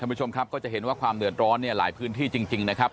ท่านผู้ชมครับก็จะเห็นว่าความเหลือร้อนหลายพื้นที่จริงนะครับ